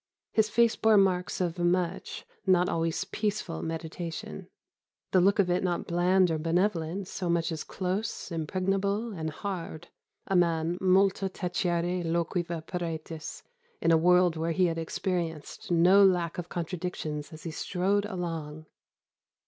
His face bore marks of much, not always peaceful, meditation; the look of it not bland or benevolent so much as close, impregnable, and hard: a man multa tacere loquive paratus, in a world where he had experienced no lack of contradictions as he strode along!